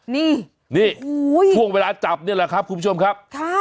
นี่นี่ช่วงเวลาจับนี่แหละครับคุณผู้ชมครับ